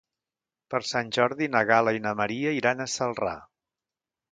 Per Sant Jordi na Gal·la i na Maria iran a Celrà.